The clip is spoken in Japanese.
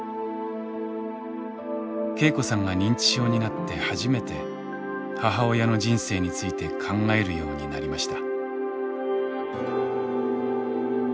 恵子さんが認知症になって初めて母親の人生について考えるようになりました。